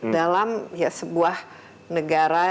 dalam sebuah negara